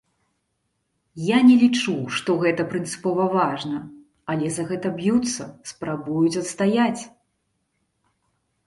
Я не лічу, што гэта прынцыпова важна, але за гэта б'юцца, спрабуюць адстаяць.